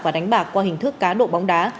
và đánh bạc qua hình thức cá độ bóng đá